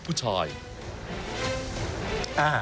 ชูเวชตีแสดงหน้า